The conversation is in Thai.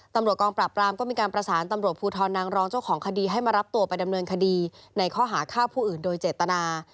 กองปราบรามก็มีการประสานตำรวจภูทรนางรองเจ้าของคดีให้มารับตัวไปดำเนินคดีในข้อหาฆ่าผู้อื่นโดยเจตนา